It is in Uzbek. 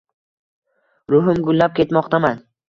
Ruhim gullab ketmoqdaman.